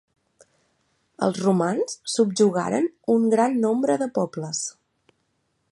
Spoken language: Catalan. Els romans subjugaren un gran nombre de pobles.